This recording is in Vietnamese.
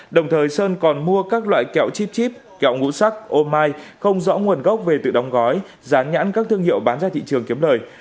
đồng thời sơn còn mua các loại kẹo chipchip kẹo ngũ sắc ô mai không rõ nguồn gốc về tự đóng gói gián nhãn các thương hiệu bán ra thị trường kiếm lời